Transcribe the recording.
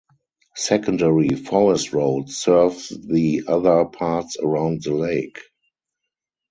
Secondary forest roads serve the other parts around the lake.